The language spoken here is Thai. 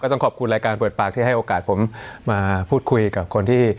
ต้องขอบคุณรายการเปิดปากที่ให้โอกาสผมมาพูดคุยกับคนที่